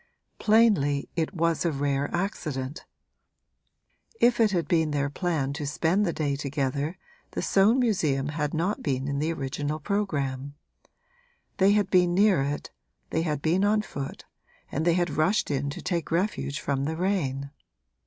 Plainly, it was a rare accident: if it had been their plan to spend the day together the Soane Museum had not been in the original programme. They had been near it, they had been on foot and they had rushed in to take refuge from the rain.